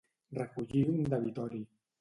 Recollir un debitori.